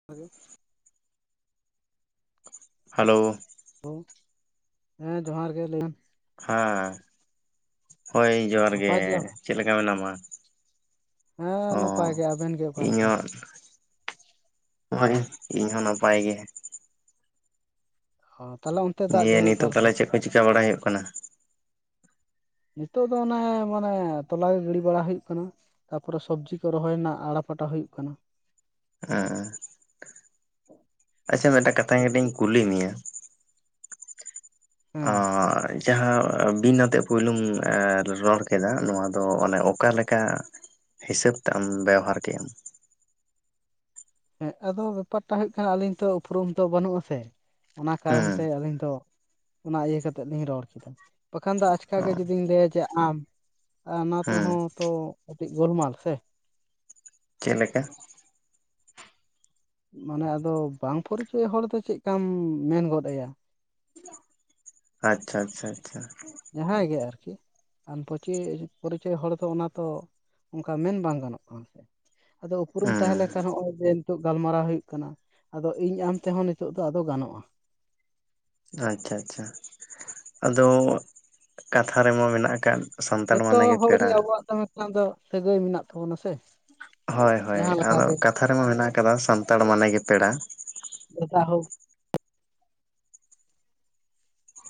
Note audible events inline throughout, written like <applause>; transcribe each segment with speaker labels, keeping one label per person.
Speaker 1: <unintelligible> <unintelligible>
Speaker 2: Hello
Speaker 1: hello ᱦᱮᱸ ᱡᱚᱦᱟᱨ ᱜᱮ ᱞᱟᱹᱭ ᱢᱮ
Speaker 2: ᱦᱮᱸ ᱦᱳᱭ ᱡᱚᱦᱟᱨ ᱜᱮ
Speaker 1: ᱱᱟᱯᱟᱭ ᱜᱮᱭᱟ ᱵᱮᱱ?
Speaker 2: ᱪᱮᱫ ᱞᱮᱠᱟ ᱢᱮᱱᱟᱢᱟ
Speaker 1: ᱦᱮᱸ
Speaker 2: ᱦᱚᱸ
Speaker 1: ᱱᱟᱯᱟᱭ ᱜᱮ ᱟᱵᱮᱱ ᱜᱮ ᱚᱠᱟ
Speaker 2: ᱤᱧ
Speaker 1: ᱞᱮᱠᱟ?
Speaker 2: ᱦᱚᱸ ᱱᱚᱭ ᱤᱧ ᱦᱚᱸ ᱱᱟᱯᱟᱭ ᱜᱮ
Speaker 1: ᱚ ᱛᱟᱦᱚᱞ ᱚᱱᱛᱮ ᱫᱟᱜ
Speaker 2: ᱱᱤᱭᱟᱹ
Speaker 1: ᱡᱟᱹᱲᱤ ᱚᱠᱟ
Speaker 2: ᱱᱤᱛᱚᱜ
Speaker 1: ᱞᱮᱠᱟ
Speaker 2: ᱛᱟᱦᱚᱞᱮ ᱪᱮᱫ ᱠᱚ ᱪᱤᱠᱟᱹ ᱵᱟᱲᱟᱭ ᱦᱩᱭᱩᱜ ᱠᱟᱱᱟ
Speaker 1: ᱱᱤᱛᱚᱜ ᱫᱚ ᱚᱱᱮ ᱢᱟᱱᱮ ᱛᱚᱞᱟ ᱜᱤᱲᱤ ᱵᱟᱲᱟ ᱦᱩᱭᱩᱜ ᱠᱟᱱᱟ ᱛᱟᱯᱚᱨᱮ ᱥᱚᱵᱽᱡᱤ ᱠᱚ ᱨᱚᱦᱚᱭ ᱨᱮᱱᱟᱜ ᱟᱲᱟ ᱯᱟᱴᱟ ᱦᱩᱭᱩᱜ ᱠᱟᱱᱟ
Speaker 2: ᱦᱮᱸ ᱟᱪᱪᱷᱟ ᱢᱤᱫᱴᱟᱝ ᱠᱟᱛᱷᱟ
Speaker 1: ᱥᱚᱵᱽᱡᱤ
Speaker 2: ᱠᱟᱹᱴᱤᱡᱧ ᱠᱩᱞᱤ ᱢᱮᱭᱟ
Speaker 1: ᱦᱮᱸ
Speaker 2: ᱦᱚᱭ ᱡᱟᱦᱟᱸ ᱵᱤᱱ ᱟᱛᱮᱜ ᱮ ᱯᱳᱭᱞᱩᱢ ᱨᱚᱲ ᱠᱮᱫᱟ ᱱᱚᱣᱟ ᱫᱚ ᱚᱱᱮ ᱚᱠᱟ ᱞᱮᱠᱟ ᱦᱤᱥᱟᱹᱵᱽ ᱛᱮ ᱟᱢ ᱵᱮᱣᱦᱟᱨ ᱠᱮᱜ-ᱟᱢ
Speaker 1: ᱦᱮᱸ ᱟᱫᱚ ᱵᱮᱯᱟᱨᱴᱟ ᱦᱩᱭᱩᱜ ᱠᱟᱱᱟ ᱟᱹᱞᱤᱧ ᱛᱚ ᱩᱯᱨᱩᱢ ᱫᱚᱚ ᱵᱟᱹᱱᱩᱜ ᱟᱥᱮ ᱚᱱᱟ ᱠᱟᱨᱚᱱ
Speaker 2: ᱦᱮᱸ
Speaker 1: ᱛᱮ ᱟᱹᱞᱤᱧ ᱫᱚ ᱚᱱᱟ ᱤᱭᱟᱹ ᱠᱟᱛᱮᱜ ᱞᱤᱧ ᱨᱚᱲ ᱠᱮᱫᱟ ᱵᱟᱠᱷᱟᱱ ᱫᱚ ᱟᱪᱠ
Speaker 2: ᱚ
Speaker 1: ᱜᱮ ᱡᱩᱫᱤᱧ ᱞᱟᱹᱭᱟ ᱡᱮ ᱟᱢ ᱚᱱᱟ
Speaker 2: ᱦᱮᱸ
Speaker 1: ᱛᱮᱦᱚᱸ ᱛᱚ ᱠᱟᱹᱴᱤᱡ ᱜᱳᱞᱢᱟᱞ ᱥᱮ
Speaker 2: ᱪᱮᱫ ᱞᱮᱠᱟ
Speaker 1: ᱢᱟᱱᱮ ᱟᱫᱚ ᱵᱟᱝ ᱯᱚᱨᱤᱪᱚᱭ ᱦᱚᱲ ᱫᱚ ᱪᱮᱫᱠᱟᱢ ᱢᱮᱱ ᱜᱚᱫ ᱟᱭᱟ
Speaker 2: ᱟᱪᱪᱷᱟ ᱟᱪᱪᱷᱟ ᱪᱪᱷᱟ
Speaker 1: ᱡᱟᱦᱟᱸᱭ ᱜᱮ ᱟᱨᱠᱤ ᱟᱢ ᱯᱚᱪᱮᱭ ᱯᱚᱨᱤᱪᱚᱭ ᱦᱚᱲ ᱫᱚ ᱚᱱᱟ ᱛᱚ ᱚᱱᱠᱟ ᱢᱮᱱ ᱵᱟᱝ ᱜᱟᱱᱚᱜ ᱠᱟᱱᱟ ᱥᱮ ᱟᱫᱚ ᱩᱯᱨᱩᱢ
Speaker 2: ᱦᱮᱸ
Speaker 1: ᱛᱟᱦᱮᱸᱞᱮᱱᱠᱷᱟᱱ ᱱᱚᱸᱜᱚᱭ ᱵᱮᱱ ᱱᱤᱛᱚᱜ ᱜᱟᱞᱢᱟᱨᱟᱣ ᱦᱩᱭᱩᱜ ᱠᱟᱱᱟ ᱟᱫᱚ ᱤᱧ ᱟᱢ ᱛᱮᱦᱚᱸ ᱱᱤᱛᱚᱜ ᱫᱚ ᱟᱫᱚ ᱜᱟᱱᱚᱜᱼᱟ
Speaker 2: ᱟᱪᱪᱷᱟ ᱟᱪᱪᱷᱟ ᱟᱫᱚ ᱠᱟᱛᱷᱟ ᱨᱮᱢᱟ ᱢᱮᱱᱟᱜ ᱟᱠᱟᱫ ᱥᱟᱱᱛᱟᱲ
Speaker 1: ᱡᱚᱛᱚ
Speaker 2: ᱢᱟᱱᱮ ᱜᱮ
Speaker 1: ᱦᱚᱲᱜᱮ
Speaker 2: ᱯᱮᱲᱟ
Speaker 1: ᱟᱵᱚᱣᱟᱜ ᱫᱚ ᱢᱤᱫᱴᱟᱱ ᱫᱚ ᱥᱟᱹᱜᱟᱹᱭ ᱢᱮᱱᱟᱜ ᱛᱟᱵᱚᱱᱟ ᱥᱮ
Speaker 2: ᱦᱳᱭ ᱦᱳᱭ
Speaker 1: ᱡᱟᱦᱟᱸ ᱞᱮᱠᱟ
Speaker 2: ᱟᱫᱚ
Speaker 1: ᱜᱮ
Speaker 2: ᱠᱟᱛᱷᱟ ᱨᱮᱢᱟᱸ ᱢᱮᱱᱟᱜ ᱟᱠᱟᱫᱟ ᱥᱟᱱᱛᱟᱲ ᱢᱟᱱᱮᱜ ᱜᱮ ᱯᱮᱲᱟ
Speaker 1: ᱫᱮᱠᱟ ᱦᱳᱠ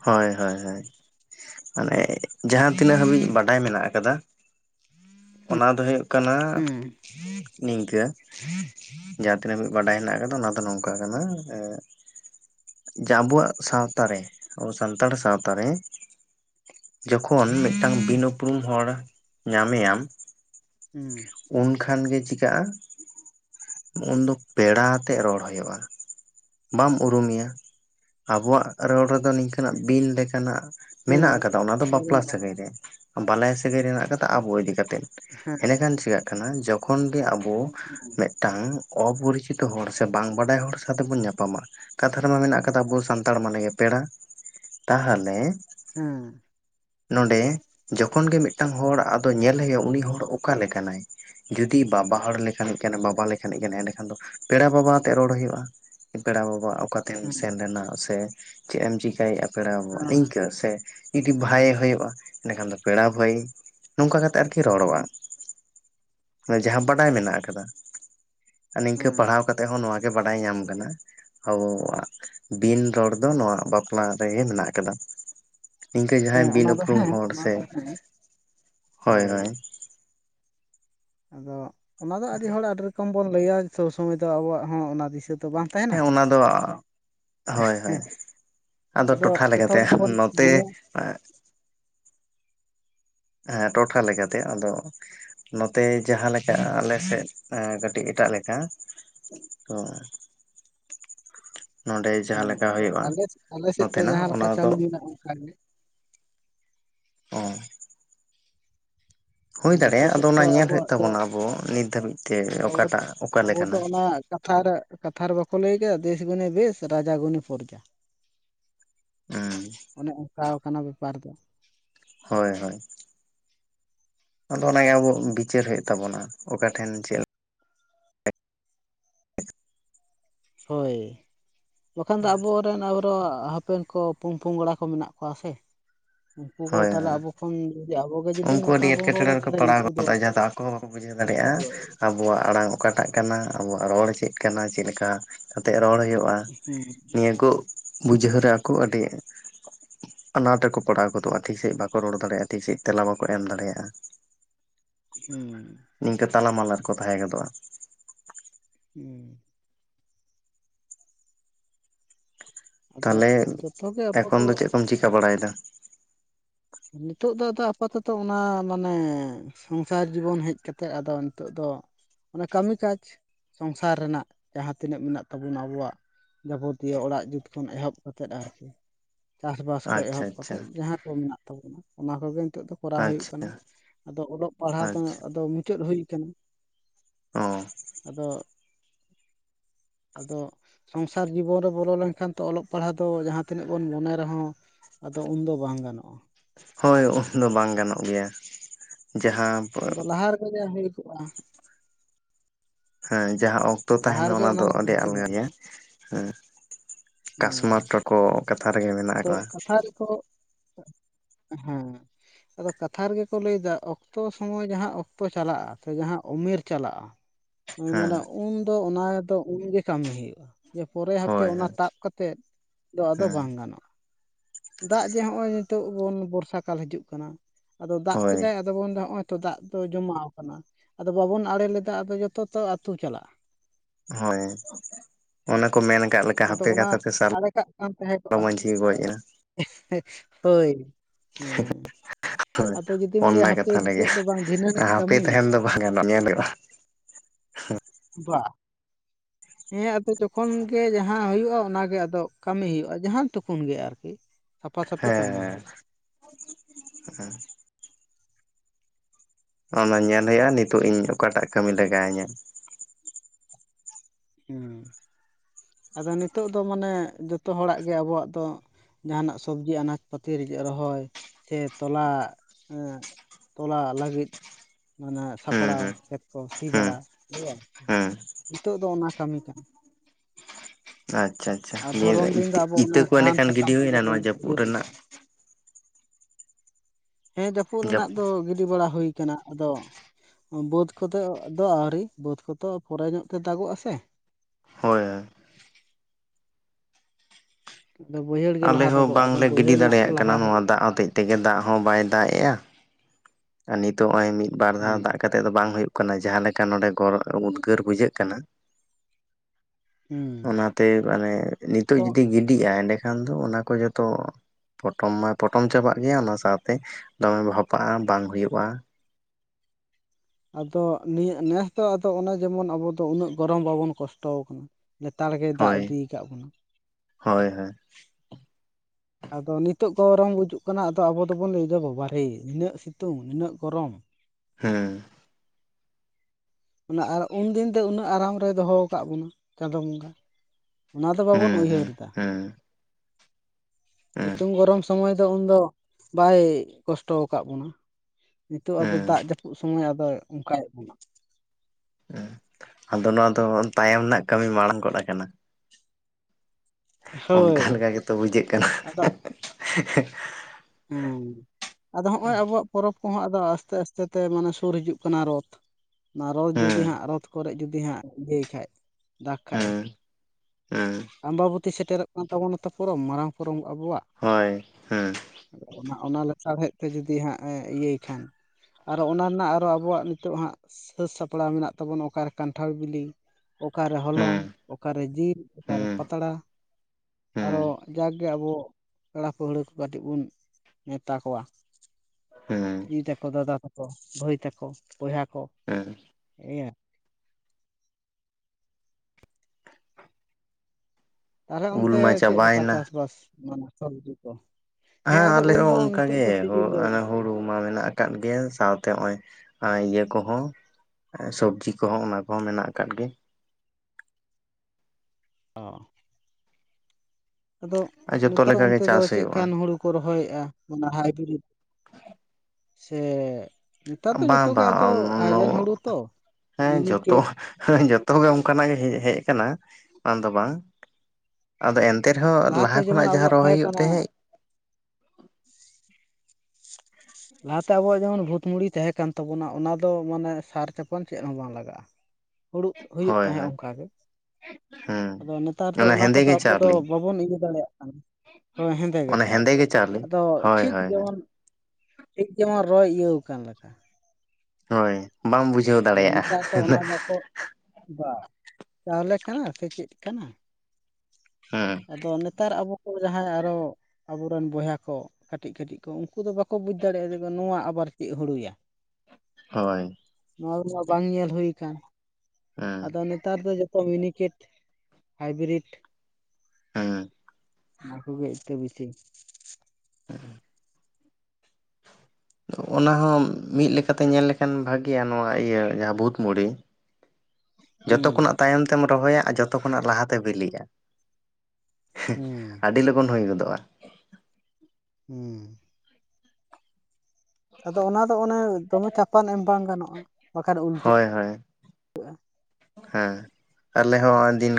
Speaker 2: ᱦᱳᱭ ᱦᱳᱭ ᱦᱳᱭ ᱢᱟᱱᱮ ᱡᱟᱦᱟᱸ ᱛᱤᱱᱟᱹᱜ ᱟᱹᱢ ᱵᱟᱰᱟᱭ ᱢᱮᱱᱟᱜ ᱟᱠᱟᱫᱟ ᱚᱱᱟ ᱫᱚ ᱦᱩᱭᱩᱜ ᱠᱟᱱᱟ
Speaker 1: ᱦᱩᱸ
Speaker 2: ᱱᱤᱝᱠᱟᱹ ᱡᱟᱦᱟᱸ ᱛᱤᱱᱟᱹᱜ ᱷᱟᱵᱤ ᱵᱟᱰᱟᱭ ᱦᱮᱱᱟᱜ ᱟᱠᱟᱫᱟ ᱚᱱᱟ ᱫᱚ ᱱᱚᱝᱠᱟ ᱠᱟᱱᱟ ᱮᱸᱜ ᱡᱟ ᱟᱵᱚᱣᱟᱜ ᱥᱟᱶᱛᱟ ᱨᱮ ᱟᱵᱚ ᱥᱟᱱᱛᱟᱲ ᱥᱟᱶᱛᱟ ᱨᱮ ᱡᱚᱠᱷᱚᱱ ᱢᱤᱫᱴᱟᱝ ᱵᱤᱤᱱ ᱩᱯᱨᱩᱢ ᱦᱚᱲ ᱧᱟᱢᱮᱭᱟᱢ
Speaker 1: ᱩᱸ
Speaker 2: ᱩᱱᱠᱷᱟᱱ ᱜᱮ ᱪᱤᱠᱟᱹᱜᱼᱟ ᱩᱱᱫᱚ ᱯᱮᱲᱟ ᱟᱛᱮᱜ ᱨᱚᱲ ᱦᱳᱭᱳᱜᱼᱟ ᱵᱟᱢ ᱩᱨᱩᱢᱮᱭᱟ ᱟᱵᱚᱣᱟᱜ ᱨᱚᱲ ᱨᱮ ᱫᱚ ᱱᱤᱝᱠᱟᱹᱱᱟᱜ ᱵᱤᱱ ᱞᱮᱠᱟᱱᱟᱜ ᱢᱮᱱᱟᱜ
Speaker 1: ᱦᱮᱸ
Speaker 2: ᱠᱟᱫᱟ ᱚᱱᱟ ᱫᱚ
Speaker 1: ᱦᱮᱸ
Speaker 2: ᱵᱟᱯᱞᱟ ᱥᱟᱹᱜᱟᱹᱭ ᱨᱮ ᱵᱟᱞᱟᱭᱟ ᱥᱟᱹᱜᱟᱹᱭ ᱨᱮᱱᱟᱜ ᱠᱟᱛᱟ ᱟᱵᱚ ᱤᱫᱤ ᱠᱟᱛᱮᱫ ᱤᱮᱸᱰᱮᱠᱷᱟᱱ ᱪᱤᱠᱟᱹᱜ ᱠᱟᱱᱟ ᱡᱚᱠᱷᱚᱱ ᱜᱮ ᱟᱵᱚ
Speaker 1: <inaudible>
Speaker 2: ᱢᱤᱫᱴᱟᱝ ᱚᱯᱚᱨᱤᱪᱤᱛᱚ ᱦᱚᱲ ᱥᱮ ᱵᱟᱝ ᱵᱟᱰᱟᱭ ᱦᱚᱲ ᱥᱟᱶᱛᱮᱵᱚᱱ ᱧᱟᱯᱟᱢᱟ ᱠᱟᱛᱷᱟ ᱨᱮᱢᱟ ᱢᱮᱱᱟᱜ ᱠᱟᱫᱟ ᱟᱵᱚ ᱥᱟᱱᱛᱟᱲ ᱢᱟᱱᱮ ᱜᱮ ᱯᱮᱲᱟ ᱛᱟᱦᱟᱞᱮ
Speaker 1: ᱩᱸ
Speaker 2: ᱱᱚᱸᱰᱮ ᱡᱚᱠᱷᱚᱱ ᱜᱮ ᱢᱤᱫᱴᱟᱝ ᱦᱚᱲ ᱟᱫᱚ ᱧᱮᱞᱮ ᱦᱩᱭᱩᱜᱼᱟ ᱩᱱᱤ ᱦᱚᱲ ᱚᱠᱟ ᱞᱮᱠᱟᱱᱟᱭ ᱡᱩᱫᱤ ᱵᱟᱵᱟ ᱦᱚᱲ ᱞᱮᱠᱟᱱᱤᱡ ᱠᱟᱱᱟ ᱵᱟᱵᱟ ᱞᱮᱠᱟᱱᱤᱡ ᱠᱟᱱᱟᱭ ᱮᱸᱰᱮᱠᱷᱟᱱ ᱫᱚ ᱯᱮᱲᱟ ᱵᱟᱵᱟ ᱟᱛᱮᱜ ᱨᱚᱲ ᱦᱳᱭᱳᱜᱼᱟ ᱯᱮᱲᱟ ᱵᱟᱵᱟ ᱚᱠᱟ ᱛᱮᱢ
Speaker 1: ᱦᱮᱸ
Speaker 2: ᱥᱮᱱ ᱞᱮᱱᱟ ᱥᱮ ᱪᱮᱜ ᱮᱢ ᱪᱤᱠᱟᱭᱮᱜᱼᱟ ᱯᱮᱲᱟ ᱵᱟᱵᱟ
Speaker 1: ᱦᱮᱸ
Speaker 2: ᱱᱤᱝᱠᱟᱹ ᱥᱮ ᱡᱩᱫᱤ ᱵᱷᱟᱭᱮ ᱦᱳᱭᱳᱜᱼᱟ ᱮᱸᱰᱮᱠᱷᱟᱱ ᱫᱚ ᱯᱮᱲᱟ ᱵᱷᱟᱹᱭ ᱱᱚᱝᱠᱟ ᱠᱟᱛᱮᱜ ᱟᱨᱠᱤ
Speaker 1: ᱦᱮᱸ
Speaker 2: ᱨᱚᱲᱚᱜᱼᱟ ᱡᱟᱦᱟᱸ ᱵᱟᱰᱟᱭ ᱢᱮᱱᱟᱜ ᱠᱟᱫᱟ ᱟ ᱱᱤᱝᱠᱟᱹ
Speaker 1: ᱦᱮᱸ
Speaker 2: ᱯᱟᱲᱦᱟᱣ ᱠᱟᱛᱮᱜ ᱦᱚᱸ ᱱᱚᱣᱟ ᱜᱮ ᱵᱟᱰᱟᱭ ᱧᱟᱢ ᱠᱟᱱᱟ ᱟᱵᱚᱣᱟᱜ ᱵᱤᱱ ᱨᱚᱲ ᱫᱚ ᱱᱚᱣᱟ ᱵᱟᱯᱞᱟ ᱨᱮᱜᱮ ᱢᱮᱱᱟᱜ ᱠᱟᱫᱟ ᱱᱤᱝᱠᱟᱹ
Speaker 1: ᱦᱮᱸ
Speaker 2: ᱡᱟᱦᱟᱸᱭ ᱵᱤᱱ
Speaker 1: ᱚᱱᱟ ᱫᱚ
Speaker 2: ᱩᱯᱨᱩᱢ
Speaker 1: ᱦᱮᱸ
Speaker 2: ᱦᱚᱲ
Speaker 1: ᱚᱱᱟ
Speaker 2: ᱥᱮ
Speaker 1: ᱫᱚ ᱦᱮᱸ
Speaker 2: ᱦᱳᱭ ᱦᱳᱭ
Speaker 1: ᱟᱫᱚ ᱚᱱᱟ ᱫᱚ ᱟᱹᱰᱤ ᱦᱚᱲ ᱟᱹᱰᱤ ᱨᱚᱠᱚᱢ ᱵᱚᱱ ᱞᱮᱭᱟ ᱥᱚᱵ ᱥᱚᱢᱚᱭ ᱫᱚ ᱟᱵᱚᱣᱟᱜ ᱦᱚᱸ ᱚᱱᱟ ᱫᱤᱥᱟᱹ ᱫᱚ ᱵᱟᱝ ᱛᱟᱦᱮᱱᱟ
Speaker 2: ᱦᱮᱸ ᱚᱱᱟ ᱫᱚᱜ ᱦᱳᱭ ᱦᱳᱭ ᱟᱫᱚ ᱴᱚᱴᱷᱟ
Speaker 1: ᱡᱚᱛᱚ
Speaker 2: ᱞᱮᱠᱟᱛᱮ
Speaker 1: ᱦᱚᱲ ᱜᱮᱵᱚᱱ
Speaker 2: ᱱᱚᱛᱮ
Speaker 1: ᱞᱟᱹᱭᱟ
Speaker 2: ᱮᱜ ᱦᱮᱸ ᱴᱚᱴᱷᱟ ᱞᱮᱠᱟᱛᱮ ᱟᱫᱚ ᱱᱚᱛᱮ ᱡᱟᱦᱟᱸ ᱞᱮᱠᱟᱜ ᱟᱞᱮ ᱥᱮᱫ ᱠᱟᱹᱴᱤᱡ ᱮᱴᱟᱜ ᱞᱮᱠᱟ ᱦᱚᱸ
Speaker 1: ᱦᱮᱸ ᱟᱫᱚ
Speaker 2: ᱦᱩᱭᱩᱜᱼᱟ
Speaker 1: ᱟᱞᱮ ᱟᱞᱮ ᱥᱮᱫ ᱫᱚ
Speaker 2: ᱱᱚᱛᱮᱱᱟᱜ
Speaker 1: ᱡᱟᱦᱟᱸᱞᱮᱠᱟ
Speaker 2: ᱚᱱᱟ ᱫᱚ
Speaker 1: ᱪᱟᱹᱞᱩ ᱢᱮᱱᱟᱜᱼᱟ ᱚᱝᱠᱟᱜᱮ
Speaker 2: ᱚᱸ ᱦᱩᱭ
Speaker 1: ᱡᱚᱛᱚ
Speaker 2: ᱫᱟᱲᱮᱭᱟᱜᱼᱟ ᱟᱫᱚ
Speaker 1: ᱥᱮᱫ ᱛᱚ
Speaker 2: ᱚᱱᱟ ᱧᱮᱞ ᱦᱳᱭᱳᱜ
Speaker 1: ᱟᱵᱚᱣᱟᱜ ᱫᱚ
Speaker 2: ᱛᱟᱵᱚᱱᱟ ᱟᱵᱚ ᱱᱤᱛ ᱫᱷᱟᱹᱵᱤᱡᱛᱮ
Speaker 1: ᱟᱵᱚ ᱫᱚ
Speaker 2: ᱚᱠᱟᱴᱟᱜ
Speaker 1: ᱟᱵᱚ ᱫᱚ
Speaker 2: ᱚᱠᱟᱞᱮᱠᱟᱱᱟ
Speaker 1: ᱚᱱᱟ ᱠᱟᱛᱷᱟ ᱨᱮᱜ ᱠᱟᱛᱷᱟ ᱨᱮ ᱵᱟᱠᱚ ᱞᱮᱭ ᱠᱟᱜᱼᱟ ᱫᱮᱥ ᱜᱩᱱᱮ ᱵᱮᱥ ᱨᱟᱡᱟ ᱜᱩᱱᱮ ᱯᱚᱨᱡᱟ
Speaker 2: ᱦᱩᱸ
Speaker 1: ᱚᱱᱮ ᱚᱝᱠᱟᱣ ᱠᱟᱱᱟ ᱵᱮᱯᱟᱨ ᱫᱚ
Speaker 2: ᱦᱳᱭ ᱦᱳᱭ ᱟᱫᱚ ᱚᱱᱟᱜᱮ ᱟᱵᱚ ᱵᱤᱪᱟᱹᱨ ᱦᱳᱭᱳᱜ ᱛᱟᱵᱚᱱᱟ ᱚᱠᱟᱴᱷᱮᱱ ᱪᱮᱫ <inaudible>
Speaker 1: ᱦᱳᱭ ᱵᱟᱠᱷᱟᱱ ᱫᱚ ᱟᱵᱚᱨᱮᱱ ᱟᱵᱚ ᱛᱚ ᱦᱟᱯᱮᱱ ᱠᱚ ᱯᱩᱝ ᱯᱩᱝᱲᱟ ᱠᱚ ᱢᱮᱱᱟᱜ ᱠᱚᱣᱟ ᱥᱮ ᱩᱝᱠᱩ ᱠᱚ ᱛᱟᱦᱚᱞᱮ ᱟᱵᱚ ᱠᱷᱚᱱ ᱡᱩᱫᱤ ᱟᱵᱚ
Speaker 2: ᱚᱝᱠᱳ ᱟᱹᱰᱤ ᱮᱸᱴᱠᱮᱴᱚᱲᱮ ᱨᱮᱠᱚ ᱯᱟᱲᱟᱣ ᱜᱚᱫᱚᱜᱼᱟ ᱡᱟᱦᱟᱸ ᱫᱚ ᱟᱠᱚ ᱦᱚᱸ ᱵᱟᱠᱚ ᱵᱩᱡᱷᱟᱹᱣ ᱫᱟᱲᱮᱭᱟᱜᱼᱟ
Speaker 1: ᱦᱳᱭ
Speaker 2: ᱟᱵᱚᱣᱟᱜ ᱟᱲᱟᱝ ᱚᱠᱟᱴᱟᱜ ᱠᱟᱱᱟ ᱟᱵᱚᱣᱟᱜ ᱨᱚᱲ ᱪᱮᱫ ᱠᱟᱱᱟ ᱪᱮᱫ ᱞᱮᱠᱟ ᱠᱟᱛᱮᱜ ᱨᱚᱲ ᱦᱳᱭᱳᱜ ᱭᱟ
Speaker 1: ᱦᱩᱸ
Speaker 2: ᱱᱤᱭᱟᱹ ᱠᱚᱜ ᱵᱩᱡᱷᱟᱹᱣ ᱨᱮ ᱟᱠᱚ ᱟᱹᱰᱤ ᱟᱱᱟᱴ ᱨᱮᱠᱚ ᱯᱟᱲᱟᱣ ᱜᱚᱫᱚᱜᱼᱟ ᱴᱷᱤᱠ ᱥᱟᱺᱦᱤᱡ ᱵᱟᱠᱚ ᱨᱚᱲ ᱫᱟᱲᱮᱭᱟᱜᱼᱟ ᱴᱷᱤᱠ ᱥᱟᱺᱦᱤᱡ ᱛᱮᱞᱟ ᱵᱟᱠᱚ ᱮᱢ ᱫᱟᱲᱮᱭᱟᱜᱼᱟ
Speaker 1: ᱦᱩᱸ
Speaker 2: ᱱᱤᱝᱠᱟᱹ ᱛᱟᱞᱟᱢᱟᱞᱟ ᱨᱮᱠᱚ ᱛᱟᱦᱮᱸ ᱜᱚᱫᱚᱜᱼᱟ
Speaker 1: ᱦᱩᱸ ᱟᱫᱚ
Speaker 2: ᱛᱟᱦᱚᱞᱮ
Speaker 1: ᱡᱚᱛᱚ ᱜᱮ ᱟᱵᱚ
Speaker 2: ᱮᱠᱷᱚᱱ ᱫᱚ ᱪᱮᱜ ᱠᱚᱢ ᱪᱤᱠᱟᱹ ᱵᱟᱲᱟᱭᱮᱫᱟ
Speaker 1: ᱱᱤᱛᱚᱜ ᱫᱚ ᱟᱫᱚ ᱟᱯᱟᱛᱚᱛᱚ ᱚᱱᱟ ᱢᱟᱱᱮ ᱥᱚᱝᱥᱟᱨ ᱡᱤᱵᱚᱱ ᱦᱮᱡ ᱠᱟᱛᱮᱜ ᱟᱫᱚ ᱱᱤᱛᱚᱜ ᱫᱚ ᱚᱱᱮ ᱠᱟᱹᱢᱤ ᱠᱟᱡᱽ ᱥᱚᱝᱥᱟᱨ ᱨᱮᱱᱟᱜ ᱡᱟᱦᱟᱸ ᱛᱤᱱᱟᱹᱜ ᱢᱮᱱᱟᱜ ᱛᱟᱵᱚᱱᱟ ᱟᱵᱚᱣᱟᱜ ᱡᱟᱵᱚᱛᱤᱭᱚ ᱚᱲᱟᱜ ᱡᱩᱛ ᱠᱷᱚᱱ ᱮᱦᱚᱵ ᱠᱟᱛᱮᱫ ᱟᱨᱠᱤ ᱪᱟᱥᱵᱟᱥ ᱠᱷᱚᱡ
Speaker 2: ᱟᱪᱪᱷᱟ
Speaker 1: ᱮᱦᱚᱵ
Speaker 2: ᱟᱪᱪᱷᱟ
Speaker 1: ᱠᱟᱛᱮᱡ ᱡᱟᱦᱟᱸ ᱠᱚ ᱢᱮᱱᱟᱜ ᱛᱟᱵᱚᱱᱟ ᱚᱱᱟ ᱠᱚᱜᱮ ᱱᱤᱛᱚᱜ ᱫᱚ ᱠᱚᱨᱟᱣ ᱦᱩᱭᱩᱜ ᱠᱟᱱᱟ
Speaker 2: ᱟᱪᱪᱷᱟ
Speaker 1: ᱟᱫᱚ ᱚᱞᱚᱜ ᱯᱟᱲᱦᱟᱜ ᱫᱚ
Speaker 2: ᱟᱪᱪᱷᱟ
Speaker 1: ᱟᱫᱚ ᱢᱩᱪᱟᱹᱫ ᱦᱩᱭ ᱠᱟᱱᱟ
Speaker 2: ᱚ
Speaker 1: ᱟᱫᱚ ᱟᱫᱚ ᱥᱚᱝᱥᱟᱨ ᱡᱤᱵᱚᱱ ᱨᱮ ᱵᱚᱞᱚ ᱞᱮᱱᱠᱷᱟᱱ ᱛᱚ ᱚᱞᱚᱜ ᱯᱟᱲᱦᱟᱜ ᱫᱚ ᱡᱟᱦᱟᱸ ᱛᱤᱱᱟᱹᱜ ᱵᱚᱱ ᱢᱚᱱᱮ ᱨᱮᱦᱚᱸ ᱟᱫᱚ ᱩᱱᱫᱚ ᱵᱟᱝ ᱜᱟᱱᱚᱜᱼᱟ।
Speaker 2: ᱦᱳᱭ ᱩᱱᱫᱚ ᱵᱟᱝ ᱜᱟᱱᱚᱜ ᱜᱮᱭᱟ᱾ ᱡᱟᱦᱟᱸ ᱼᱼ
Speaker 1: ᱫᱚ ᱞᱟᱦᱟ ᱨᱮᱜᱮ ᱡᱟ ᱦᱩᱭ ᱠᱚᱜᱼᱟ।
Speaker 2: ᱦᱮᱸ ᱡᱟᱦᱟᱸ ᱚᱠᱛᱚ
Speaker 1: ᱞᱟᱦᱟ
Speaker 2: ᱛᱟᱦᱮᱱᱟ
Speaker 1: ᱨᱮᱜᱮ
Speaker 2: ᱚᱱᱟ ᱫᱚ ᱟᱹᱰᱤ
Speaker 1: ᱪᱤᱱᱛᱟᱹ
Speaker 2: ᱟᱞᱜᱟ
Speaker 1: ᱵᱷᱟᱵᱱᱟ
Speaker 2: ᱜᱮᱭᱟ। ᱦᱮᱸ
Speaker 1: ᱦᱮᱸ
Speaker 2: ᱠᱟᱥᱢᱟᱨᱴᱚᱠᱚ ᱠᱟᱛᱷᱟ ᱨᱮᱜᱮ ᱢᱮᱱᱟᱜ ᱟᱠᱟᱫᱟ।
Speaker 1: ᱯᱷᱮᱞ <unintelligible> ᱠᱚ ᱦᱮᱸ ᱟᱫᱚ ᱠᱟᱛᱷᱟ ᱨᱮᱜᱮ ᱠᱚ ᱞᱟᱹᱭ ᱮᱫᱟ ᱚᱠᱛᱚ ᱥᱚᱢᱚᱭ ᱡᱟᱦᱟᱸ ᱚᱠᱛᱚ ᱪᱟᱞᱟᱜᱼᱟ ᱥᱮ ᱡᱟᱦᱟᱸ ᱩᱢᱮᱨ ᱪᱟᱞᱟᱜᱼᱟ ᱼᱼ ᱢᱟᱱᱮ
Speaker 2: ᱦᱮᱸ
Speaker 1: ᱩᱱ ᱫᱚ ᱚᱱᱟ ᱫᱚ ᱩᱱ ᱜᱮ ᱼᱼ ᱠᱟᱹᱢᱤ ᱦᱩᱭᱩᱜᱼᱟ ᱡᱮ ᱯᱚᱨᱮ ᱦᱟᱯᱮ
Speaker 2: ᱦᱳᱭ
Speaker 1: ᱚᱱᱟ
Speaker 2: ᱦᱳᱭ
Speaker 1: ᱛᱟᱵ ᱠᱟᱛᱮᱜ ᱫᱚ ᱟᱫᱚ
Speaker 2: ᱦᱮᱸ
Speaker 1: ᱵᱟᱝ ᱜᱟᱱᱚᱜᱼᱟ। ᱫᱟᱜ ᱡᱮ ᱦᱚᱸᱜᱼᱚᱭ ᱱᱤᱛᱚᱜ ᱵᱚᱱ ᱵᱚᱨᱥᱟ ᱠᱟᱞ ᱦᱤᱡᱩᱜ ᱠᱟᱱᱟ᱾ ᱟᱫᱚ ᱫᱟᱜ
Speaker 2: ᱦᱳᱭ
Speaker 1: ᱠᱮᱫᱟᱭ᱾ ᱟ ᱵᱚᱱ <unintelligible> ᱦᱚᱜ ᱚᱭ ᱛᱚ ᱫᱟᱜ ᱫᱚ ᱡᱚᱢᱟᱣ ᱠᱟᱱᱟ ᱟᱫᱚ ᱵᱟᱵᱚᱱ ᱟᱲᱮ ᱞᱮᱫᱟ ᱟᱫᱚ ᱡᱚᱛᱚ ᱛᱚ ᱟᱹᱛᱩ ᱪᱟᱞᱟᱜᱼᱟ।
Speaker 2: ᱦᱳᱭ ᱚᱱᱟ ᱠᱚ ᱢᱮᱱ ᱟᱠᱟᱫ ᱞᱮᱠᱟ <unintelligible> ᱚᱱᱠᱟ <unintelligible>
Speaker 1: ᱟᱫᱚ
Speaker 2: ᱦᱟᱯᱮ
Speaker 1: ᱚᱱᱟ
Speaker 2: ᱠᱟᱛᱷᱟᱛᱮ ᱥᱟᱞᱚ
Speaker 1: ᱟᱲᱮ ᱠᱟᱜ ᱠᱟᱱ ᱛᱟᱦᱮᱸ
Speaker 2: <inaudible>
Speaker 1: ᱠᱚᱜᱼᱟ
Speaker 2: ᱢᱟᱺᱡᱷᱤᱭ <unintelligible> ᱜᱚᱡ ᱮᱱᱟ।
Speaker 1: <unintelligible> ᱦᱳᱭ ᱦᱮᱸ
Speaker 2: ᱦᱳᱭ
Speaker 1: ᱟᱫᱚ ᱡᱩᱫᱤᱢ ᱞᱟᱹᱭᱟ
Speaker 2: ᱚᱱᱟ
Speaker 1: ᱦᱟᱯᱮ
Speaker 2: ᱠᱟᱛᱷᱟ ᱨᱮᱜᱮ
Speaker 1: ᱱᱤᱛᱚᱜ ᱫᱚ ᱵᱟᱝ ᱵᱷᱤᱱᱟᱹᱱ ᱤᱧ
Speaker 2: ᱦᱟᱯᱮ
Speaker 1: ᱠᱟᱹᱢᱤᱭᱟ᱾
Speaker 2: ᱛᱟᱦᱮᱱ ᱫᱚ ᱵᱟᱝ ᱜᱟᱱᱚᱜ ᱧᱮᱞ ᱦᱩᱭᱩᱜᱼᱟ
Speaker 1: ᱵᱟ <unintelligible> ᱦᱮᱸ ᱟᱫᱚ ᱡᱚᱠᱷᱚᱱ ᱜᱮ ᱡᱟᱦᱟᱸ ᱦᱩᱭᱩᱜᱼᱟ ᱚᱱᱟᱜᱮ ᱟᱫᱚ ᱠᱟᱹᱢᱤ ᱦᱩᱭᱩᱜᱼᱟ ᱡᱟᱦᱟᱱ ᱴᱩᱠᱩᱱ ᱜᱮ ᱟᱨᱠᱤ। ᱥᱟᱯᱷᱟ ᱥᱟᱹᱯᱷᱤ
Speaker 2: ᱦᱮᱸᱻ
Speaker 1: ᱠᱟᱹᱢᱤ ᱦᱩᱭᱩᱜᱼᱟ
Speaker 2: ᱦᱮᱸ ᱚᱱᱟ ᱧᱮᱞ ᱦᱩᱭᱩᱜᱼᱟ ᱱᱤᱛᱚᱜ ᱤᱧ ᱚᱠᱟᱴᱟᱜ ᱠᱟᱹᱢᱤ ᱞᱟᱜᱟᱣ ᱤᱧᱟᱹ।
Speaker 1: ᱦᱮᱸ ᱟᱫᱚ ᱱᱤᱛᱚᱜ ᱫᱚ ᱢᱟᱱᱮ ᱡᱚᱛᱚ ᱦᱚᱲᱟᱜ ᱜᱮ ᱟᱵᱚᱣᱟᱜ ᱫᱚ ᱼᱼ ᱡᱟᱦᱟᱸᱱᱟᱜ ᱥᱚᱵᱽᱡᱤ ᱟᱱᱟᱡᱽ ᱯᱟᱹᱛᱤ ᱨᱮᱭᱟᱜ ᱨᱚᱦᱚᱭ ᱥᱮ ᱛᱚᱞᱟ᱾ ᱮᱼᱼ ᱛᱚᱞᱟ ᱞᱟᱹᱜᱤᱫ ᱼᱼ ᱢᱟᱱᱮ
Speaker 2: ᱦᱩᱸ
Speaker 1: ᱥᱟᱯᱲᱟᱣ
Speaker 2: ᱦᱩᱸ
Speaker 1: ᱠᱷᱮᱛ ᱠᱚ ᱥᱤ
Speaker 2: ᱦᱩᱸ
Speaker 1: ᱵᱟᱲᱟ ᱮᱭ
Speaker 2: ᱦᱩᱸ
Speaker 1: <unintelligible> ᱱᱤᱛᱚᱜ ᱫᱚ ᱚᱱᱟ ᱼᱼ ᱠᱟᱹᱢᱤ ᱠᱟᱱᱟ
Speaker 2: ᱟᱪᱪᱷᱟ ᱟᱪᱪᱷᱟ
Speaker 1: ᱟᱨ ᱫᱷᱚᱨᱚᱢ
Speaker 2: ᱱᱤᱭᱟᱹ
Speaker 1: ᱫᱤᱱ ᱫᱚ ᱟᱵᱚ ᱚᱱᱟ
Speaker 2: ᱤᱛᱟᱹ ᱠᱚ
Speaker 1: ᱥᱟᱦᱟᱱ
Speaker 2: ᱮᱸᱰᱮᱠᱷᱟᱱ
Speaker 1: ᱥᱟᱠᱟᱢ
Speaker 2: ᱜᱤᱰᱤ
Speaker 1: ᱛᱮᱜᱮ
Speaker 2: ᱦᱩᱭᱱᱟ ᱱᱚᱣᱟ
Speaker 1: ᱵᱚᱱ ᱤᱭᱟᱹᱣ
Speaker 2: ᱡᱟᱹᱯᱩᱫ ᱨᱮᱱᱟᱜ
Speaker 1: ᱠᱟᱱᱟ। ᱦᱮᱸ ᱡᱟᱹᱯᱩᱫ ᱨᱮᱱᱟᱜ ᱫᱚ ᱜᱤᱰᱤ ᱵᱟᱲᱟ ᱦᱩᱭ ᱼᱼ ᱠᱟᱱᱟ ᱟᱫᱚ ᱵᱟᱹᱫᱽ ᱠᱚᱫᱚ ᱫᱚ ᱟᱹᱣᱨᱤ ᱵᱟᱹᱫᱽ ᱠᱚᱫᱚ ᱯᱚᱨᱮ ᱧᱚᱜ ᱛᱮ ᱫᱟᱜᱚᱜ ᱟ ᱥᱮ।
Speaker 2: ᱦᱳᱭ
Speaker 1: ᱟᱫᱚ ᱵᱟᱹᱭᱦᱟᱹᱲ <unintelligible>
Speaker 2: ᱟᱞᱮ ᱦᱚᱸ
Speaker 1: ᱫᱟᱜᱚᱜᱼᱟ ᱟᱫᱚ
Speaker 2: ᱵᱟᱝᱞᱮ
Speaker 1: ᱵᱟᱹᱭᱦᱟᱹᱲ
Speaker 2: ᱜᱤᱰᱤ
Speaker 1: ᱨᱮᱱᱟᱜ ᱜᱮ
Speaker 2: ᱫᱟᱲᱮᱭᱟᱜ ᱠᱟᱱᱟ
Speaker 1: ᱞᱟᱦᱟ ᱦᱩᱭ
Speaker 2: ᱱᱚᱣᱟ ᱫᱟᱜ ᱦᱚᱛᱮᱡ ᱛᱮᱜᱮ ᱫᱟᱜ ᱦᱚᱸ ᱵᱟᱭ ᱫᱟᱜ ᱮᱼᱟ। ᱟᱨ ᱱᱤᱛᱚᱜ ᱱᱚᱜᱼᱚᱭ ᱢᱤᱫ ᱵᱟᱨ ᱫᱷᱟᱣ ᱫᱟᱜ
Speaker 1: ᱦᱩᱸ
Speaker 2: ᱠᱟᱛᱮᱜ ᱫᱚ ᱵᱟᱝ ᱦᱩᱭᱩᱜ ᱠᱟᱱᱟ᱾ ᱡᱟᱦᱟ ᱞᱮᱠᱟ ᱱᱚᱰᱮ ᱜᱚᱨᱚ ᱩᱫᱽᱜᱟᱹᱨ ᱵᱩᱡᱷᱟᱹᱜ ᱠᱟᱱᱟ ᱼᱼ
Speaker 1: ᱦᱩᱸ
Speaker 2: ᱚᱱᱟᱛᱮ ᱢᱟᱱᱮ ᱱᱤᱛᱳᱜ
Speaker 1: ᱟᱫᱚ
Speaker 2: ᱡᱩᱫᱤ ᱜᱤᱰᱤᱜᱼᱟ ᱮᱸᱰᱮᱠᱷᱟᱱ ᱫᱚ ᱚᱱᱟ ᱠᱚ ᱡᱷᱚᱛᱚ ᱼᱼ ᱯᱚᱴᱚᱢ ᱢᱟ ᱯᱚᱴᱚᱢ ᱪᱟᱵᱟᱜ ᱜᱮᱭᱟ ᱚᱱᱟ ᱥᱟᱶᱛᱮ ᱫᱚᱢᱮ ᱵᱷᱟᱯᱟᱜᱼᱟ ᱵᱟᱝ ᱦᱩᱭᱩᱜᱼᱟ।
Speaker 1: ᱟᱫᱚ ᱱᱤᱭᱟᱹ ᱱᱮᱥ ᱫᱚ ᱟᱫᱚ ᱚᱱᱮ ᱡᱮᱢᱚᱱ ᱟᱵᱚ ᱫᱚ ᱩᱱᱟᱹᱜ ᱜᱚᱨᱚᱢ ᱵᱟᱵᱚᱱ ᱠᱚᱥᱴᱚ ᱟᱠᱟᱱᱟ। ᱞᱮᱛᱟᱲ ᱜᱮ ᱫᱟᱜ
Speaker 2: ᱦᱳᱭ
Speaker 1: ᱤᱫᱤ ᱠᱟᱜ ᱵᱚᱱᱟ।
Speaker 2: ᱦᱳᱭ ᱦᱳᱭ
Speaker 1: ᱟᱫᱚ ᱱᱤᱛᱚᱜ ᱠᱚ ᱜᱚᱨᱚᱢ <unintelligible> ᱜᱩᱡᱩᱜ ᱠᱟᱱᱟ ᱟᱫᱚ ᱟᱵᱚ ᱫᱚᱵᱚᱱ ᱞᱟᱹᱭᱮᱫᱟ <unintelligible> ᱵᱟᱵᱟᱨᱮ ᱱᱤᱱᱟᱹᱜ ᱥᱤᱛᱩᱝ ᱱᱤᱱᱟᱹᱜ ᱜᱚᱨᱚᱢ।
Speaker 2: ᱦᱮᱸ
Speaker 1: ᱚᱱᱟ ᱟᱨ ᱩᱱᱫᱤᱱᱛᱮ ᱩᱱᱟᱹᱜ ᱟᱨᱟᱢ ᱨᱮ ᱫᱚᱦᱚ ᱟᱠᱟᱫ ᱵᱚᱱᱟ ᱪᱟᱸᱫᱳ ᱵᱚᱸᱜᱟ। ᱚᱱᱟ ᱫᱚ ᱵᱟᱵᱚᱱ ᱩᱭᱦᱟᱹᱨ
Speaker 2: ᱦᱩᱸ
Speaker 1: ᱫᱟ।
Speaker 2: ᱦᱩᱸ ᱦᱩᱸ ᱦᱩᱸ
Speaker 1: ᱥᱤᱛᱩᱝ ᱜᱚᱨᱚᱢ ᱥᱚᱢᱚᱭ ᱫᱚ ᱩᱱ ᱫᱚ ᱵᱟᱭ ᱠᱚᱥᱴᱚ ᱠᱟᱜ ᱵᱚᱱᱟ। ᱱᱤᱛᱳᱜ ᱟᱫᱚ
Speaker 2: ᱦᱩᱸ
Speaker 1: ᱫᱟᱜ ᱡᱟᱹᱯᱩᱫ ᱥᱚᱢᱚᱭ ᱟᱫᱚ ᱚᱱᱠᱟᱭᱮᱫ ᱵᱚᱱᱟ।
Speaker 2: ᱦᱮᱸ ᱟᱫᱚ ᱱᱚᱣᱟ ᱫᱚ ᱛᱟᱭᱚᱢ ᱨᱮᱱᱟᱜ ᱠᱟᱹᱢᱤ ᱢᱟᱲᱟᱝ ᱜᱚᱫ ᱟᱠᱟᱱᱟ। ᱚᱱᱠᱟ
Speaker 1: ᱦᱳᱭ
Speaker 2: ᱞᱮᱠᱟ ᱜᱮᱛᱚ ᱵᱩᱡᱷᱟᱹᱜ ᱠᱟᱱᱟ।
Speaker 1: ᱟᱫᱚ ᱦᱩᱸ ᱟᱫᱚ ᱦᱚᱸᱜᱼᱚᱭ ᱟᱵᱚᱣᱟᱜ ᱯᱚᱨᱚᱵᱽ ᱠᱚᱦᱚᱸ ᱟᱫᱚ ᱟᱥᱛᱮ ᱟᱥᱛᱮ ᱛᱮ ᱢᱟᱱᱮ ᱥᱩᱨ ᱦᱤᱡᱩᱜ ᱠᱟᱱᱟ ᱨᱚᱛᱷ। ᱚᱱᱟ ᱨᱚᱛ ᱡᱩᱫᱤ
Speaker 2: ᱦᱩᱸ
Speaker 1: ᱦᱟᱸᱜ ᱨᱚᱛᱷ ᱠᱚᱨᱮ ᱡᱩᱫᱤ ᱦᱟᱸᱜ ᱤᱭᱟᱹᱭ ᱠᱷᱟᱡ ᱫᱟᱜᱽ ᱠᱷᱟᱡᱼᱮ।
Speaker 2: ᱦᱮᱸ
Speaker 1: ᱟᱢᱵᱟᱵᱚᱛᱤ ᱥᱮᱴᱮᱨᱚᱜ ᱠᱟᱱ ᱛᱟᱵᱚᱱᱟᱛᱚ ᱯᱚᱨᱚᱵᱽ ᱢᱟᱨᱟᱝ ᱯᱚᱨᱚᱵᱽ ᱟᱵᱚᱣᱟᱜ।
Speaker 2: ᱦᱳᱭ ᱦᱮᱸ
Speaker 1: ᱚᱱᱟ ᱚᱱᱟ ᱞᱮᱥᱟᱲᱦᱮᱫ ᱛᱮ ᱡᱩᱫᱤ ᱦᱟᱸᱜ ᱮ ᱤᱭᱟᱹᱭ ᱠᱷᱟᱱ। ᱟᱨᱚ ᱚᱱᱟ ᱨᱮᱱᱟᱜ ᱟᱨᱚ ᱟᱵᱚᱣᱟᱜ ᱱᱤᱛᱚᱜ ᱦᱟᱸᱜ ᱥᱟᱹᱛ ᱥᱟᱯᱲᱟᱣ ᱢᱮᱱᱟᱜ ᱛᱟᱵᱚᱱᱟ ᱚᱠᱟᱨᱮ ᱠᱟᱱᱴᱷᱟᱲ ᱵᱤᱞᱤ ᱚᱠᱟᱨᱮ ᱦᱚᱞᱚᱝ
Speaker 2: ᱦᱩᱸ
Speaker 1: ᱚᱠᱟᱨᱮ ᱡᱤᱞ ᱚᱠᱟᱨᱮ
Speaker 2: ᱦᱩᱸ
Speaker 1: ᱯᱟᱛᱲᱟ ᱟᱨᱚ
Speaker 2: ᱦᱩᱸ
Speaker 1: ᱦᱚ ᱡᱟᱠᱮ ᱟᱵᱚ ᱯᱮᱲᱟ ᱯᱟᱹᱲᱦᱟᱹ ᱠᱚ ᱠᱟᱹᱴᱤᱡ ᱵᱩᱱ ᱢᱮᱛᱟ ᱠᱚᱣᱟ
Speaker 2: ᱦᱩᱸ
Speaker 1: ᱫᱤ ᱛᱟᱠᱚ ᱫᱟᱫᱟ ᱛᱟᱠᱚ ᱵᱷᱟᱹᱭ ᱛᱟᱠᱚ ᱵᱚᱭᱦᱟ ᱠᱚ
Speaker 2: ᱦᱩᱸ
Speaker 1: ᱦᱮᱸ ᱛᱟᱦᱚᱞᱮ
Speaker 2: ᱩᱞ
Speaker 1: ᱚᱱᱛᱮ
Speaker 2: ᱢᱟ
Speaker 1: ᱪᱮᱫᱠᱟ
Speaker 2: ᱪᱟᱵᱟᱭᱮᱱᱟ
Speaker 1: ᱪᱟᱥᱵᱟᱥ ᱢᱟᱱᱮ ᱥᱚᱵᱽᱡᱤ ᱠᱚ
Speaker 2: ᱦᱮᱸ
Speaker 1: ᱟᱫᱚ
Speaker 2: ᱟᱞᱮ
Speaker 1: ᱩᱞ
Speaker 2: ᱦᱚᱸ
Speaker 1: ᱫᱚ
Speaker 2: ᱚᱱᱠᱟ‌
Speaker 1: ᱱᱤᱛᱚᱜ
Speaker 2: ᱜᱮ
Speaker 1: ᱫᱚ ᱥᱤᱡᱤᱱ ᱫᱚ ᱵᱟᱝ ᱠᱟᱱᱟ
Speaker 2: ᱦᱩᱲᱩ ᱢᱟ ᱢᱮᱱᱟᱜ ᱟᱠᱟᱫ ᱜᱮ ᱥᱟᱶᱛᱮ ᱱᱚᱜᱼᱚᱭ ᱤᱭᱟᱹ ᱠᱚᱦᱚᱸ ᱥᱚᱵᱽᱡᱤ ᱠᱚᱦᱚᱸ ᱚᱱᱟ ᱠᱚᱦᱚᱸ ᱢᱮᱱᱟᱜ ᱟᱠᱟᱫ ᱜᱮ
Speaker 1: ᱚ ᱟᱫᱚ
Speaker 2: ᱟᱨ ᱡᱚᱛᱚ
Speaker 1: ᱱᱮᱛᱟᱨ
Speaker 2: ᱞᱮᱠᱟ ᱜᱮ
Speaker 1: ᱚᱱᱛᱮ ᱫᱚ
Speaker 2: ᱪᱟᱥ ᱦᱩᱭᱩᱜᱼᱟ
Speaker 1: ᱪᱮᱫᱠᱟᱱ ᱦᱩᱲᱩ ᱠᱚ ᱨᱚᱦᱚᱭᱮᱫᱼᱟ ᱢᱟᱱᱮ ᱦᱟᱭᱵᱨᱤᱰ ᱥᱮ ᱱᱮᱛᱟᱨ ᱫᱚ
Speaker 2: ᱵᱟᱝ
Speaker 1: ᱡᱚᱛᱚ ᱜᱮ ᱟᱫᱚ
Speaker 2: ᱵᱟᱝᱵᱟᱱᱩᱜ
Speaker 1: ᱦᱟᱭᱞᱮᱱ ᱦᱩᱲᱩ ᱛᱚ
Speaker 2: ᱦᱮᱸ ᱡᱚᱛᱚ
Speaker 1: ᱢᱤᱱᱤᱠᱮᱴ
Speaker 2: ᱡᱚᱛ ᱛᱚᱵᱮ ᱚᱱᱠᱟᱱᱟᱜ ᱜᱮ ᱦᱮᱡ ᱟᱠᱟᱱᱟ ᱵᱟᱝ ᱫᱚ ᱵᱟᱝ ᱟᱫᱚ ᱮᱱᱛᱮ ᱨᱮᱦᱚᱸ
Speaker 1: ᱞᱟᱦᱟᱛᱮ
Speaker 2: ᱞᱟᱦᱟ
Speaker 1: ᱡᱮᱢᱚᱱ
Speaker 2: ᱠᱷᱚᱱᱟᱜ ᱡᱟᱦᱟᱸ
Speaker 1: ᱟᱵᱚᱣᱟᱜ
Speaker 2: ᱨᱚᱦᱚᱭ
Speaker 1: ᱛᱟᱦᱮᱸ
Speaker 2: ᱦᱩᱭᱩᱜ
Speaker 1: ᱠᱟᱱᱟ
Speaker 2: ᱛᱟᱦᱮᱸᱫ
Speaker 1: ᱞᱟᱦᱟᱛᱮ ᱟᱵᱚᱣᱟᱜ ᱡᱮᱢᱚᱱ ᱵᱷᱩᱛ ᱢᱩᱲᱤ ᱛᱟᱦᱮᱸ ᱠᱟᱱ ᱛᱟᱵᱚᱱᱟ ᱚᱱᱟᱫᱚ ᱢᱟᱱᱮ ᱥᱟᱨ ᱪᱟᱯᱟᱱ ᱪᱮᱫ ᱦᱚᱸ ᱵᱟᱝ ᱞᱟᱜᱟᱜᱼᱟ ᱦᱩᱲᱩ ᱦᱩᱭᱩᱜ
Speaker 2: ᱦᱳᱭ
Speaker 1: ᱛᱟᱦᱮᱸᱫ
Speaker 2: ᱦᱳᱭ
Speaker 1: ᱚᱱᱠᱟᱟᱜ ᱜᱮ
Speaker 2: ᱦᱮᱸ
Speaker 1: ᱟᱫᱚ ᱱᱮᱛᱟᱨ ᱫᱚ ᱚᱱᱟ
Speaker 2: ᱦᱮᱸᱫᱮ
Speaker 1: ᱠᱚᱫᱚ
Speaker 2: ᱜᱮ
Speaker 1: ᱟᱵᱚ ᱫᱚ
Speaker 2: ᱪᱟᱣᱞᱮ
Speaker 1: ᱵᱟᱵᱚᱱ ᱤᱭᱟᱹ ᱫᱟᱲᱮᱭᱟᱜ ᱠᱟᱱᱟ ᱦᱳᱭ ᱦᱮᱸᱫᱮ ᱜᱮ
Speaker 2: ᱚᱱᱟ ᱦᱮᱸᱫᱮ
Speaker 1: ᱪᱟᱣᱞᱮ
Speaker 2: ᱜᱮ
Speaker 1: ᱟᱫᱚ
Speaker 2: ᱦᱳᱭ
Speaker 1: ᱴᱷᱤᱠ
Speaker 2: ᱦᱳᱭ ᱦᱳᱭ
Speaker 1: ᱡᱮᱢᱚᱱ ᱴᱷᱤᱠ ᱡᱮᱢᱚᱱ ᱨᱚᱭ ᱤᱭᱟᱹᱣ ᱟᱠᱟᱱ ᱞᱮᱠᱟ
Speaker 2: ᱦᱳᱭ ᱵᱟᱢ ᱵᱩᱡᱷᱟᱹᱣ ᱫᱟᱲᱮᱭᱟᱜᱼᱟ
Speaker 1: ᱵᱟᱝ ᱪᱟᱣᱞᱮ ᱠᱟᱱᱟ ᱥᱮ ᱪᱮᱫ ᱠᱟᱱᱟ
Speaker 2: ᱦᱮᱸ
Speaker 1: ᱟᱫᱚ ᱱᱮᱛᱟᱨ ᱟᱵᱚ ᱠᱚ ᱡᱟᱦᱟᱸᱭ ᱟᱨᱚ ᱟᱵᱚᱨᱮᱱ ᱵᱚᱭᱦᱟ ᱠᱚ ᱠᱟᱹᱴᱤᱡ ᱠᱟᱹᱴᱤᱡ ᱠᱚ ᱩᱱᱠᱩ ᱫᱚ ᱵᱟᱠᱚ ᱵᱩᱡ ᱫᱟᱲᱮᱭᱟᱜᱼᱟ ᱡᱮ ᱱᱚᱣᱟ ᱟᱵᱟᱨ ᱪᱮᱫ ᱦᱩᱲᱩᱭᱟ
Speaker 2: ᱦᱳᱭ
Speaker 1: ᱱᱚᱣᱟ ᱠᱚ ᱵᱟᱝ ᱧᱮᱞ ᱦᱩᱭ ᱠᱟᱱ
Speaker 2: ᱦᱮᱸ
Speaker 1: ᱟᱫᱚ ᱱᱤᱛ ᱱᱮᱛᱟᱨ ᱫᱚ ᱡᱚᱛᱚ ᱢᱤᱱᱤᱠᱮᱴ ᱦᱟᱭᱵᱤᱨᱤᱴ
Speaker 2: ᱦᱮᱸ
Speaker 1: ᱚᱱᱟ ᱠᱚᱜᱮ ᱤᱛᱟᱹ ᱵᱤᱥᱤ
Speaker 2: ᱚᱱᱟ ᱦᱚᱸ ᱢᱤᱫ ᱞᱮᱠᱟᱛᱮ ᱧᱮᱞ ᱞᱮᱠᱷᱟᱱ ᱵᱷᱟᱸᱜᱤᱭᱟ ᱱᱚᱣᱟ ᱤᱭᱟᱹ ᱡᱟᱦᱟᱸ ᱵᱷᱩᱛᱢᱩᱰᱤ, ᱡᱚᱛᱚ
Speaker 1: ᱦᱩᱸ
Speaker 2: ᱠᱷᱚᱱᱟᱜ ᱛᱟᱭᱚᱢ ᱛᱮᱢ ᱨᱚᱦᱚᱭᱟ ᱟᱨ ᱡᱚᱛᱚ ᱠᱷᱚᱱᱟᱜ ᱞᱟᱦᱟᱛᱮ ᱵᱤᱞᱤᱜᱼᱟ ᱾ ᱦᱮᱸᱦ,
Speaker 1: ᱦᱩᱸ
Speaker 2: ᱟᱹᱰᱤ ᱞᱚᱜᱚᱱ ᱦᱩᱭ ᱜᱚᱫᱚᱜᱼᱟ
Speaker 1: ᱦᱩᱹᱻ ᱟᱫᱚ ᱚᱱᱟ ᱫᱚ ᱚᱱᱮ ᱫᱚᱢᱮ ᱪᱟᱯᱟᱱ ᱮᱢ ᱵᱟᱝ ᱜᱟᱱᱚᱜᱼᱟ ᱵᱟᱠᱷᱟᱱ ᱩᱞᱴᱟᱹ
Speaker 2: ᱦᱚᱭ, ᱦᱮᱸ ᱟᱞᱮᱦᱚᱸ ᱟᱫᱤᱱ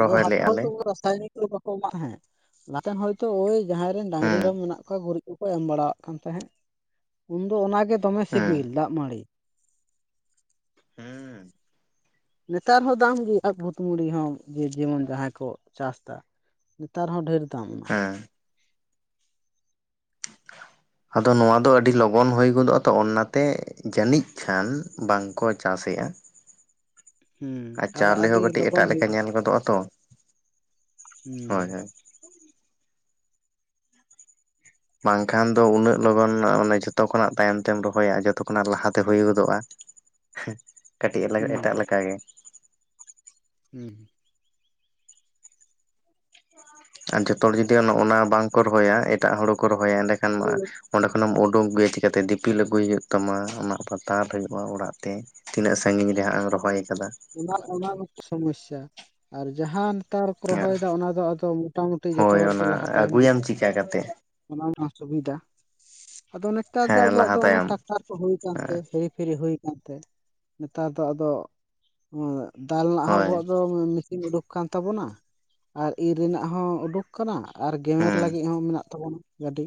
Speaker 1: ᱟᱫᱚ <inaudible> ᱠᱚ ᱨᱟᱥᱟᱭᱱᱤᱠ ᱵᱟᱠᱚ ᱮᱢᱟᱜ ᱦᱮᱸ ᱾ ᱱᱟᱛᱮᱱ ᱦᱚᱭᱛᱚ ᱡᱟᱦᱟᱸᱭ ᱨᱮᱱ ᱰᱟᱝᱨᱤ
Speaker 2: ᱦᱮᱸ
Speaker 1: ᱢᱮᱨᱚᱢ ᱢᱮᱱᱟᱜ ᱠᱚᱣᱟ ᱜᱩᱨᱤᱡ ᱩ ᱠᱚ ᱮᱢ ᱵᱟᱲᱟᱣᱟᱜ ᱠᱟᱱ ᱛᱟᱦᱮᱸᱫ ᱩᱱᱫᱚ ᱚᱱᱟᱜ ᱜᱮ ᱫᱚᱢᱮ
Speaker 2: ᱦᱮᱸ
Speaker 1: ᱥᱤᱵᱤᱞ ᱫᱟᱜ ᱢᱟᱹᱰᱤ
Speaker 2: ᱦᱩᱸᱻ
Speaker 1: ᱱᱮᱛᱟᱨ ᱦᱚᱸ ᱫᱟᱢ ᱜᱮᱭᱟ ᱵᱷᱩᱛᱢᱩᱰᱤ ᱦᱚᱸ ᱡᱮ ᱡᱮᱢᱚᱱ ᱡᱟᱦᱟᱸᱭ ᱠᱚ ᱪᱟᱥ ᱮᱫᱟ ᱾ ᱱᱮᱛᱟᱨ ᱦᱚᱸ ᱰᱷᱮᱨ ᱫᱟᱢ
Speaker 2: ᱦᱮᱸᱻ
Speaker 1: <inaudible>
Speaker 2: ᱟᱫᱚ ᱱᱚᱣᱟ ᱫᱚ ᱟᱹᱰᱤ ᱞᱚᱜᱚᱱ ᱦᱩᱭ ᱜᱚᱫᱚᱜᱼᱟ ᱛᱚ ᱚᱱᱟᱛᱮ ᱡᱟᱹᱱᱤᱡ ᱠᱷᱟᱱ ᱵᱟᱝ ᱠᱚ ᱪᱟᱥᱮᱫᱼᱟ
Speaker 1: ᱦᱩᱸᱻᱸ ᱟᱫᱚ ᱟᱹᱰᱤ ᱞᱚᱜᱚᱱ ᱦᱩᱭᱩᱜᱼᱟ
Speaker 2: ᱫᱚᱜᱻᱟᱛᱚ
Speaker 1: ᱦᱩᱸᱻ
Speaker 2: ᱵᱟᱝ ᱠᱷᱟᱱ ᱫᱚ ᱩᱱᱟᱹᱜ ᱞᱚᱜᱚᱱ ᱚᱱᱮ ᱡᱷᱚᱛᱚ ᱠᱷᱚᱱᱟᱜ ᱛᱟᱭᱚᱢ ᱛᱮᱢ ᱨᱚᱦᱚᱭᱟ ᱡᱷᱚᱛᱚ ᱠᱷᱚᱱᱟᱜ ᱞᱟᱦᱟᱛᱮ ᱦᱩᱭ ᱜᱚᱫᱚᱜᱼᱟ ᱾ ᱦᱮᱸᱻᱦ ᱠᱟᱹᱴᱤᱡ
Speaker 1: ᱦᱩᱸ
Speaker 2: ᱮᱴᱟᱜ ᱞᱮᱠᱟ ᱜᱮ
Speaker 1: ᱦᱩᱸᱼ
Speaker 2: ᱟᱨ ᱡᱚᱛᱚ ᱦᱚᱲ ᱡᱩᱫᱤ ᱚᱱᱟ ᱵᱟᱝ ᱠᱚ ᱨᱚᱦᱚᱭᱟ ᱮᱴᱟᱜ ᱦᱚᱲᱩ ᱠᱚ ᱨᱚᱦᱚᱭᱟ ᱮᱸᱰᱮᱠᱷᱟᱱ ᱢᱟ ᱚᱸᱰᱮ ᱠᱷᱚᱱᱮᱢ ᱩᱰᱩᱠ ᱟᱹᱜᱩᱭᱟ ᱪᱤᱠᱟᱛᱮ ᱫᱤᱯᱤᱞ ᱟᱹᱜᱩᱭ ᱦᱩᱭᱩᱜ ᱛᱟᱢᱟ ᱚᱱᱟ ᱯᱟᱛᱟᱨ ᱦᱩᱭᱩᱜᱼᱟ ᱚᱲᱟᱜ ᱛᱮ ᱛᱤᱱᱟᱹᱜ ᱥᱟᱺᱜᱤᱧ ᱨᱮ ᱦᱟᱸᱜ ᱮᱢ ᱨᱚᱦᱚᱭ ᱟᱠᱟᱫᱼᱟ
Speaker 1: ᱚᱱᱟ ᱚᱱᱟ ᱢᱤᱫ ᱥᱚᱢᱚᱥᱟ ᱟᱨ ᱡᱟᱦᱟᱱ ᱞᱟᱛᱟᱨ ᱠᱚ ᱨᱚᱦᱚᱭᱮᱫᱟ ᱚᱱᱟ ᱫᱚ ᱟᱫᱚ ᱢᱚᱴᱟ ᱢᱩᱴᱤ ᱡᱚᱛᱚ
Speaker 2: ᱦᱳᱭ
Speaker 1: ᱦᱚᱲᱜᱮ
Speaker 2: ᱚᱱᱟ
Speaker 1: ᱞᱟᱦᱟ ᱛᱟᱭᱚᱢ
Speaker 2: ᱟᱹᱜᱩᱭᱟᱢ
Speaker 1: ᱵᱤᱞᱤᱜ ᱠᱟᱱᱟ
Speaker 2: ᱪᱤᱠᱟ ᱠᱟᱛᱮ
Speaker 1: ᱚᱱᱟ ᱨᱮᱱᱟᱜ ᱥᱩᱵᱤᱫᱷᱟ <unintelligible> ᱟᱫᱚ ᱱᱮᱛᱟᱨ ᱫᱚ
Speaker 2: ᱦᱮᱸ
Speaker 1: ᱟᱵᱚᱣᱟᱜ
Speaker 2: ᱞᱟᱦᱟ
Speaker 1: ᱫᱚ ᱚᱱᱟ
Speaker 2: ᱛᱟᱭᱚᱢ
Speaker 1: ᱴᱨᱟᱠᱴᱟᱨ ᱠᱚ ᱦᱩᱭ ᱟᱠᱟᱱᱛᱮ ᱦᱤᱨᱤ ᱯᱷᱤᱨᱤ ᱦᱩᱭ ᱟᱠᱟᱱᱛᱮ ᱱᱮᱛᱟᱨ ᱫᱚ ᱟᱫᱚ ᱫᱟᱞ <unintelligible>
Speaker 2: ᱦᱳᱭ
Speaker 1: ᱟᱵᱚᱣᱟᱜ ᱫᱚ ᱢᱮᱥᱤᱱ ᱩᱰᱩᱠ ᱠᱟᱱ ᱛᱟᱵᱚᱱᱟ ᱟᱨ ᱤᱨ ᱨᱮᱱᱟᱜ ᱦᱚᱸ ᱩᱰᱩᱠ ᱠᱟᱱᱟ ᱟᱨ ᱜᱮᱢᱮᱨ ᱞᱟᱹᱜᱤᱫ ᱦᱚᱸ ᱢᱮᱱᱟᱜ ᱛᱟᱵᱚᱱᱟ ᱜᱟᱹᱰᱤ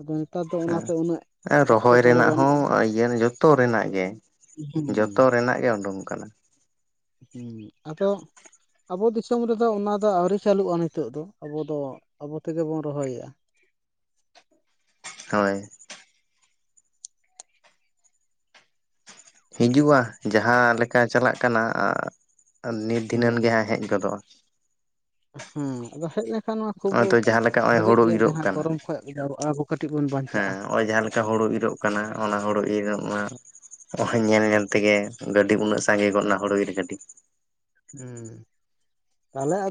Speaker 1: ᱟᱫᱚ ᱱᱮᱛᱟᱨ ᱫᱚ ᱚᱱᱟᱛᱮ ᱩᱱᱟᱹᱜ
Speaker 2: <unintelligible> ᱦᱮᱸ ᱨᱚᱦᱚᱭ
Speaker 1: ᱮᱴᱠᱮᱴᱚᱬᱮ
Speaker 2: ᱨᱮᱱᱟᱜ ᱦᱚᱸ
Speaker 1: ᱵᱟᱹᱱᱩᱜᱼᱟ
Speaker 2: ᱤᱭᱟᱹ ᱡᱚᱛᱚ ᱨᱮᱱᱟᱜ ᱜᱮ
Speaker 1: ᱦᱩᱸ
Speaker 2: ᱡᱚᱛᱚ ᱨᱮᱱᱟᱜ ᱜᱮ ᱩᱰᱩᱝ ᱟᱠᱟᱱᱟ ᱾
Speaker 1: ᱦᱩᱸᱻᱻ ᱟᱫᱚ ᱟᱵᱚ ᱫᱤᱥᱚᱢ ᱨᱮᱫᱚ ᱚᱱᱟ ᱫᱚ ᱟᱹᱣᱨᱤ ᱪᱟᱹᱞᱩᱜᱼᱟ ᱱᱤᱛᱚᱜ ᱫᱚ ᱟᱵᱚ ᱫᱚ ᱟᱵᱚ ᱛᱮᱜᱮ ᱵᱚᱱ ᱨᱚᱦᱚᱭᱮᱫᱼᱟ ᱾
Speaker 2: ᱦᱳᱭ ᱦᱤᱡᱩᱜᱼᱟ ᱡᱟᱦᱟᱸ ᱞᱮᱠᱟ ᱪᱟᱞᱟᱜ ᱠᱟᱱᱟ ᱟᱸᱻᱻ ᱱᱤᱛ
Speaker 1: ᱦᱩᱸ
Speaker 2: ᱫᱷᱤᱱᱟᱹᱱ ᱜᱮ ᱦᱟᱸᱜ ᱦᱮᱡ ᱜᱚᱫᱚᱜᱼᱟ
Speaker 1: ᱦᱮᱸ ᱻ ᱟᱫᱚ ᱦᱮᱡ ᱞᱮᱱ ᱱᱚᱣᱟ ᱠᱷᱩᱵ
Speaker 2: ᱱᱚᱜᱼᱚᱭ ᱛᱚ ᱡᱟᱦᱟᱸ ᱞᱮᱠᱟ ᱱᱚᱜᱼᱚᱭ
Speaker 1: ᱵᱷᱟᱜᱮᱜ
Speaker 2: ᱦᱳᱲᱳ
Speaker 1: ᱜᱮᱭᱟ
Speaker 2: ᱤᱨᱚᱜ
Speaker 1: ᱡᱟᱦᱟᱸ
Speaker 2: ᱠᱟᱱᱟ
Speaker 1: ᱜᱚᱨᱚᱢ ᱠᱷᱚᱡ ᱡᱟᱣᱨᱟᱜᱼᱟ ᱟᱵᱚ ᱠᱟᱹᱴᱤᱡ ᱵᱚᱱ ᱵᱟᱧᱪᱟᱜᱼᱟ <unintelligible>
Speaker 2: ᱦᱚᱭ ᱡᱟᱦᱟᱸ ᱞᱮᱠᱟ ᱦᱳᱲᱳ ᱤᱨᱚᱜ ᱠᱟᱱᱟ ᱚᱱᱟ ᱦᱩᱲᱩ ᱤᱨᱚᱜ ᱢᱟ ᱾ ᱚᱦᱚ! ᱧᱮᱞ ᱧᱮᱞ ᱛᱮᱜᱮ ᱜᱟᱹᱰᱤ ᱩᱱᱟᱹᱜ ᱥᱟᱸᱜᱮ ᱜᱚᱫ ᱮᱱᱟ ᱦᱩᱲᱩ ᱤᱨ ᱜᱟᱹᱰᱤ
Speaker 1: ᱦᱮᱸᱻ ᱛᱟᱦᱚᱞᱮ ᱟ